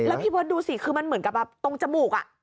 แล้วพี่บอสดูสิคือมันเหมือนกับตรงจมูก